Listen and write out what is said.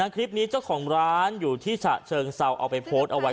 คลิปนี้เจ้าของร้านอยู่ที่ฉะเชิงเซาเอาไปโพสต์เอาไว้